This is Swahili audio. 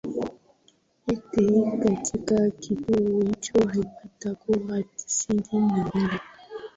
ete katika kituo hicho alipata kura tisini na mbili